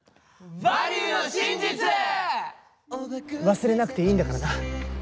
忘れなくていいんだからな。